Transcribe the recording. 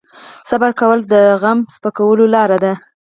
صبر کول د غم د سپکولو لاره ده.